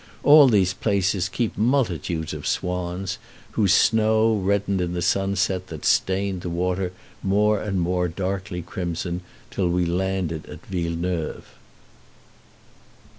All these places keep multitudes of swans, whose snow reddened in the sunset that stained the water more and more darkly crimson till we landed at Villeneuve.